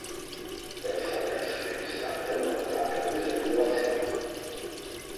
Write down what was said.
Belsat je skvělým startem, ale dobrá televize není laciná.